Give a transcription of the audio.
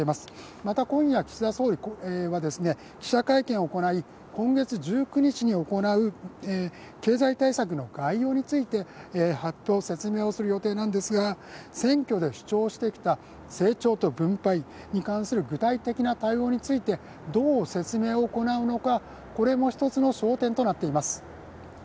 また今夜、岸田総理は記者会見を行い、今月１９日に行う経済対策の概要について発表、説明をする予定なんですが、選挙で主張してきた成長と分配に関する具体的な対応についてどう説明を行うのかこれも一つの焦点となっています